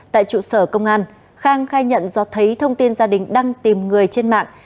tại trụ sở công an khang khai nhận do thấy thông tin gia đình đang tìm người trên mạng